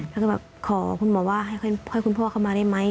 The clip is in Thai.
แล้วก็แบบขอคุณหมอว่าให้คุณพ่อเข้ามาได้ไหม